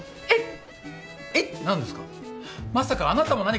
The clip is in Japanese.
えっ？